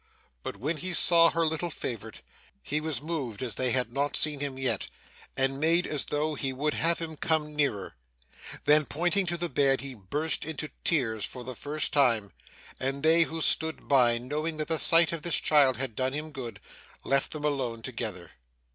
But, when he saw her little favourite, he was moved as they had not seen him yet, and made as though he would have him come nearer. Then, pointing to the bed, he burst into tears for the first time, and they who stood by, knowing that the sight of this child had done him good, left them alone together.